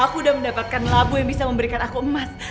aku udah mendapatkan lagu yang bisa memberikan aku emas